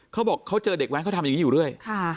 เขาบอกเขาเจอเด็กแว้นเขาทำอย่างนี้อยู่เรื่อย